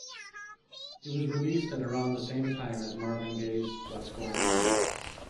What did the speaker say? It was released at around the same time as Marvin Gaye's "What's Going On".